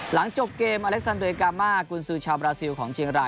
หลังจบเกมอเล็กซันเรกามากุญซือชาวบราซิลของเชียงราย